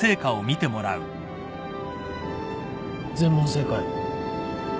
全問正解